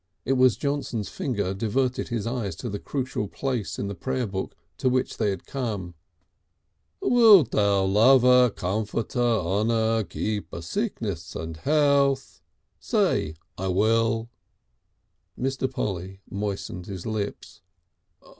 It was Johnson's finger diverted his eyes to the crucial place in the prayer book to which they had come. "Wiltou lover, cumfer, oner, keeper sickness and health..." "Say 'I will.'" Mr. Polly moistened his lips.